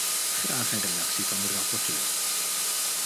Graag een reactie van de rapporteur.